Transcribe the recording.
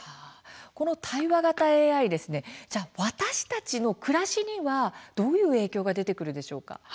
この対話型ＡＩ私たちの暮らしにはどういう影響が出てくるんでしょうか。